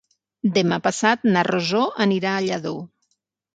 Demà passat na Rosó anirà a Lladó.